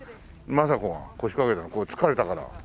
政子が腰掛けたのこれ疲れたから。